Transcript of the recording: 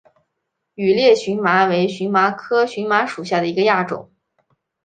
羽裂荨麻为荨麻科荨麻属下的一个亚种。